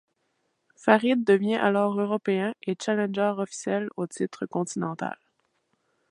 Farid devient alors européen et challengeur officiel au titre continental.